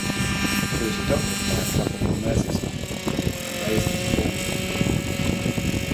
She was adopted by a couple from Merseyside and raised in Formby.